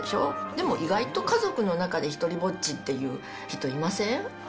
でも、意外と家族の中で独りぼっちっていう人いません？